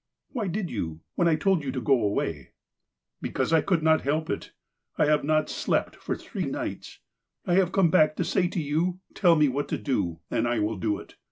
'' Why did you, when I told you to go away ?"'' Because I could not help it. I have not slept for three nights. I have come back to say to you : Tell me what to do, and I will do it.